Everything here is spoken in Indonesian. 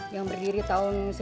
yang berdiri tahun sembilan belas